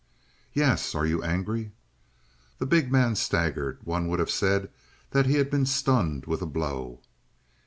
"Yes. Are you angry?" The big man staggered; one would have said that he had been stunned with a blow.